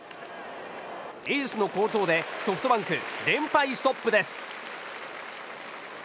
エースの好投でソフトバンク連敗ストップです。